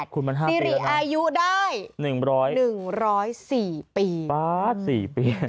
คุณมัน๕ปีแล้วนะสิริอายุได้๑๐๔ปีป๊า๊ด๔ปี